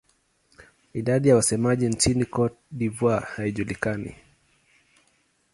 Idadi ya wasemaji nchini Cote d'Ivoire haijulikani.